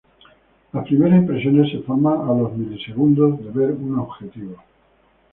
Las primeras impresiones se forman a los milisegundos de ver un objetivo.